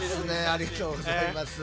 ありがとうございます。